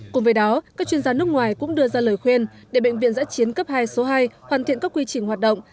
cùng với đó các chuyên gia nước ngoài cũng đưa ra lời khuyên để bệnh viện giã chiến cấp hai số hai hoàn thiện các quy trình hoạt động